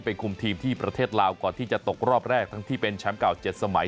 คุมทีมที่ประเทศลาวก่อนที่จะตกรอบแรกทั้งที่เป็นแชมป์เก่า๗สมัย